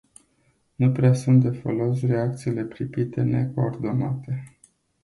Nu prea sunt de folos reacțiile pripite necoordonate.